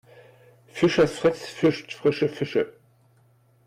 Fischers Fritz fischt frische Fische.